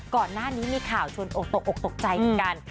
ก่อนหน้านี้มีข่าวชวนอกตกออกตกใจกัน